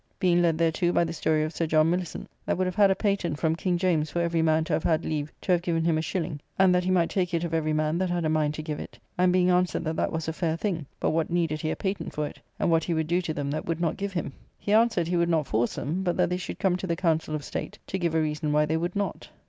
Being led thereto by the story of Sir John Millicent, that would have had a patent from King James for every man to have had leave to have given him a shilling; and that he might take it of every man that had a mind to give it, and being answered that that was a fair thing, but what needed he a patent for it, and what he would do to them that would not give him. He answered, he would not force them; but that they should come to the Council of State, to give a reason why they would not.